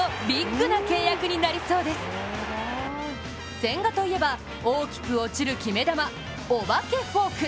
千賀といえば大きく落ちる決め球お化けフォーク。